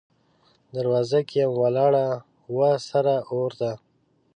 دروازه کې یم ولاړه، وه سره اور ته